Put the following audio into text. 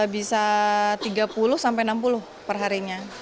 bisa tiga puluh sampai enam puluh perharinya